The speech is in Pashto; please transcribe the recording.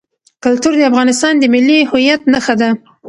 کلتور د افغانستان د ملي هویت نښه ده.